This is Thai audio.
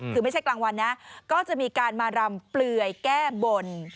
คือไม่ใช่กลางวันนะก็จะมีการมารำเปลือยแก้บน